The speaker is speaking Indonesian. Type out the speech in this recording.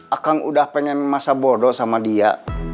akang udah pengen masak bodo sama dia